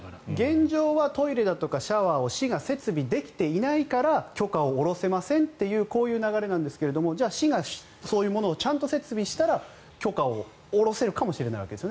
現状はトイレだとかシャワーを市が設備できていないから許可を下ろせませんというこういう流れなんですがじゃあ、市がそういうものをちゃんと設備したら許可を下ろせるかもしれないわけです。